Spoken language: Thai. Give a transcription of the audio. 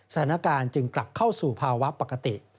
สถานการณ์จึงกลับเข้าสู่ภาวะปกติ